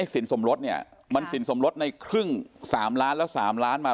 สินสมรสเนี่ยมันสินสมรสในครึ่ง๓ล้านแล้ว๓ล้านมา